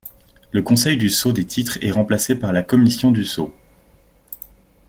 Le Conseil du sceau des titres est remplacé par la Commission du sceau.